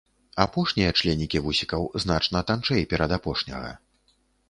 Апошнія членікі вусікаў значна танчэй перадапошняга.